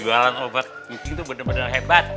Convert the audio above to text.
jualan obat puking tuh bener bener hebat